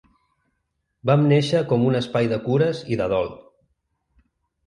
Vam néixer com un espai de cures i de dol.